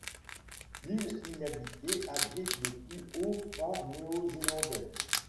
L'île inhabitée abrite le plus haut phare néo-zélandais.